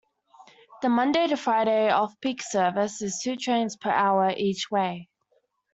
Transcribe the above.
The Monday to Friday off-peak service is two trains per hour each way.